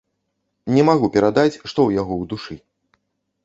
Не магу перадаць, што ў яго ў душы.